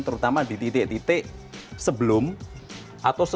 terutama di titik titik sebelum atau sebelum